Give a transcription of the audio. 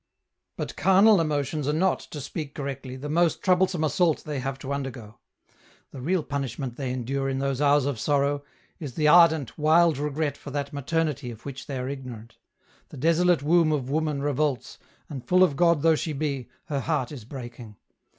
" But carnal emotions are not, to speak correctly ^the most troublesome assault they have to undergo. The real punishment they endure in those hours of sorrow is the ardent, wild regret for that maternity of which they are ignorant ; the desolate womb of woman revolts, and frill of God though she be, her heart is breaking.